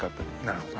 なるほど。